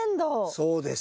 そうです。